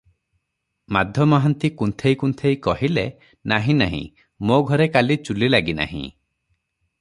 ମାଧମହାନ୍ତି କୁନ୍ଥେଇ କୁନ୍ଥେଇ କହିଲେ, "ନାହିଁ, ନାହିଁ, ମୋ ଘରେ କାଲି ଚୁଲୀ ଲାଗି ନାହିଁ ।"